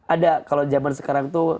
ada kalau zaman sekarang tuh